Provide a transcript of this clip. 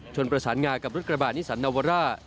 ประสานงากับรถกระบาดนิสันนาวาร่า